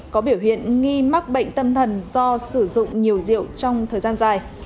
có biểu hiện nghi mắc bệnh tâm thần do sử dụng nhiều rượu trong thời gian dài